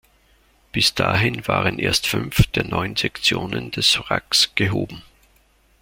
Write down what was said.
Bis dahin waren erst fünf der neun Sektionen des Wracks gehoben.